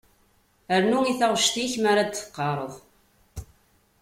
Rnu i taɣect-ik mi ara d-teqqareḍ.